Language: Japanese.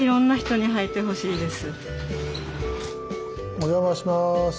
お邪魔します。